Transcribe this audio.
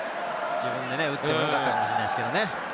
自分で打っても良かったかもしれないですけどね。